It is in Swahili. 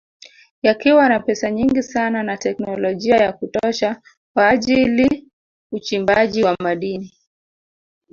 Yakiwa na pesa nyingi sana na teknolojia ya kutosha kwa ajili uchimbaji wa madini